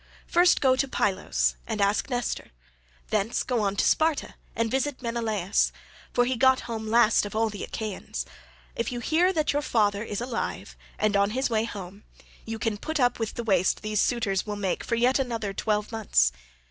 First go to Pylos and ask Nestor; thence go on to Sparta and visit Menelaus, for he got home last of all the Achaeans; if you hear that your father is alive and on his way home, you can put up with the waste these suitors will make for yet another twelve months.